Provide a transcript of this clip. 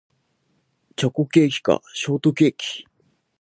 チョコケーキかショートケーキ